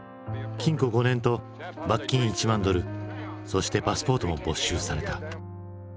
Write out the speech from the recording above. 禁錮５年と罰金１万ドルそしてパスポートも没収された。